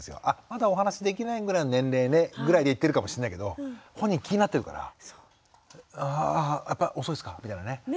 あまだお話しできないぐらいの年齢ねぐらいで言ってるかもしれないけど本人気になってるから「あやっぱ遅いですか？」みたいなね。